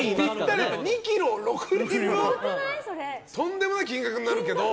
とんでもない金額になるけど。